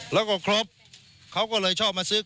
แล้วก็ครบเขาก็เลยชอบมาซื้อ